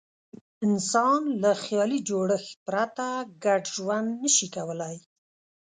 انسان له خیالي جوړښت پرته ګډ ژوند نه شي کولای.